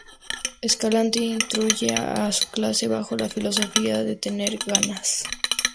Escalante instruye a su clase bajo la filosofía de ""tener ganas"".